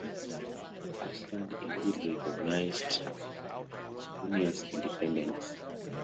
Iceland immediately recognised Lithuania's independence.